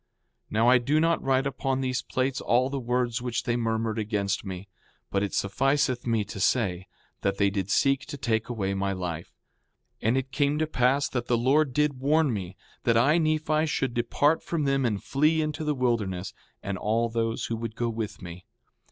5:4 Now I do not write upon these plates all the words which they murmured against me. But it sufficeth me to say, that they did seek to take away my life. 5:5 And it came to pass that the Lord did warn me, that I, Nephi, should depart from them and flee into the wilderness, and all those who would go with me.